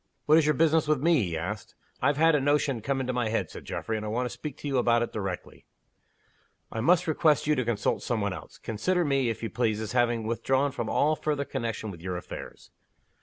"What is your business with me?" he asked. "I've had a notion come into my head," said Geoffrey. "And I want to speak to you about it directly." "I must request you to consult some one else. Consider me, if you please, as having withdrawn from all further connection with your affairs."